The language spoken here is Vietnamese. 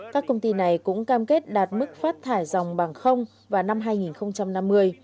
các công ty này cũng cam kết đạt mức phát thải dòng bằng không vào năm hai nghìn năm mươi